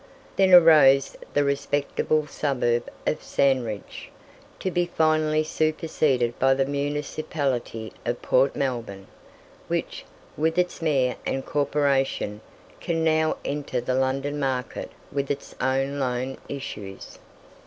Then arose the respectable suburb of Sandridge, to be finally superseded by the municipality of Port Melbourne, which, with its mayor and corporation, can now enter the London market with its own loan issues.